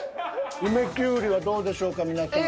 梅きゅうりはどうでしょうか皆さん。